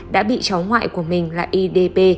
đã bị cháu ngoại của mình là idp